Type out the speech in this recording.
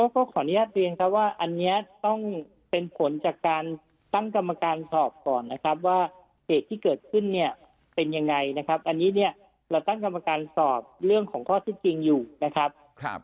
ก็ขออนุญาตเรียนครับว่าอันนี้ต้องเป็นผลจากการตั้งกรรมการสอบก่อนนะครับว่าเหตุที่เกิดขึ้นเนี่ยเป็นยังไงนะครับอันนี้เนี่ยเราตั้งกรรมการสอบเรื่องของข้อที่จริงอยู่นะครับ